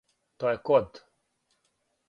То је код.